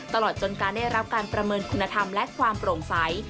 ตลอดจนการได้รับการประเมินคุณธรรมและความโปร่งใส